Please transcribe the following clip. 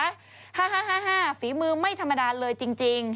ฮ่าฮ่าฝีมือไม่ธรรมดาเลยจริง